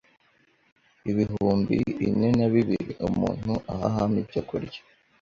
Ibihumbi ine nabibiri umuntu ahahamo ibyo kurya